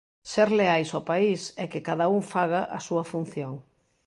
Ser leais ao país é que cada un faga a súa función.